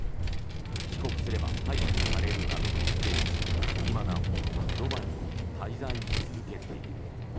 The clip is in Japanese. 帰国すれば逮捕されるなどと主張し今なお、ドバイに滞在し続けている。